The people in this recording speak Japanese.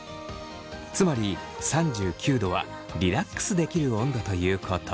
つまり３９℃はリラックスできる温度ということ。